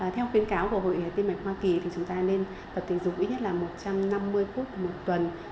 theo khuyến cáo của hội huyết ác tim mạch hoa kỳ thì chúng ta nên tập thể dục ít nhất là một trăm năm mươi phút một tuần